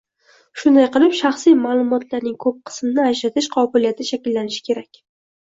Shunday qilib, shaxsiy maʼlumotlarning koʻp qismini ajratish qobiliyati shakllanishi kerak